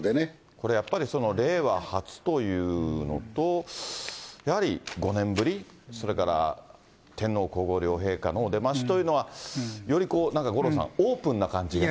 これやっぱり令和初というのと、やはり５年ぶり、それから天皇皇后両陛下のお出ましというのは、よりこうなんか、五郎さん、オープンな感じにね。